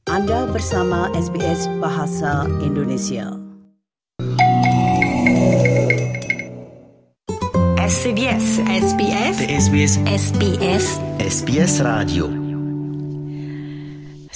anda bersama sbs bahasa indonesia